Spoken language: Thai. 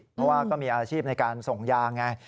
เพราะว่าก็มีอาชีพในการส่งยาไง